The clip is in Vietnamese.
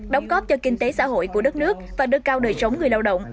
đóng góp cho kinh tế xã hội của đất nước và đưa cao đời sống người lao động